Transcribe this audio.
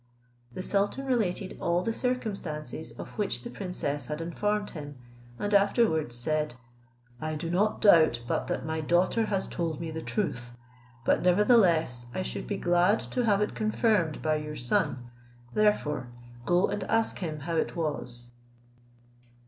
The sultan related all the circumstances of which the princess had informed him, and afterwards said, "I do not doubt but that my daughter has told me the truth; but nevertheless I should be glad to have it confirmed by your son, therefore go and ask him how it was."